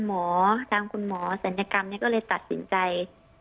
ทางคุณหมอศัลยกรรมก็เลยตัดสินใจ